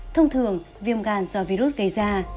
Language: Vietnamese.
thông thường viêm gan do virus gây ra